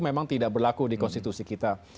memang tidak berlaku di konstitusi kita